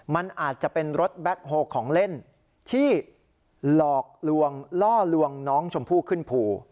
มันอาจจะเป็นรถแบ็คโฮลของเล่นที่หลอกลวงล่อลวงน้องชมพู่ขึ้นภู